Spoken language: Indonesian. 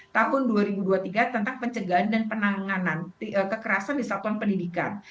tahun dua ribu dua puluh tiga tentang pencegahan dan penanganan kekerasan di satuan pendidikan